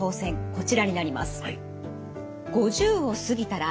こちらになります。